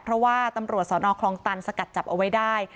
เพราะว่าตำรวจสนคลองตันสกัดจับเอาไว้ได้